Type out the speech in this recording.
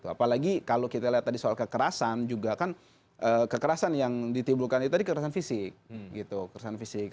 apalagi kalau kita lihat tadi soal kekerasan juga kan kekerasan yang ditimbulkan itu tadi kekerasan fisik gitu kekerasan fisik